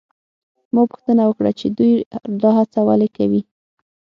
ما پوښتنه وکړه چې دوی دا هڅه ولې کوي؟